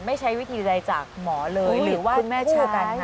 ไม่ใช้วิธีใดจากหมอเลยหรือว่าคุณแม่ใช้